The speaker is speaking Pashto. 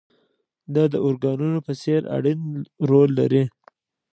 دا د ارګانونو په څېر اړين رول لري.